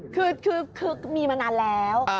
คือมีมานานแล้ว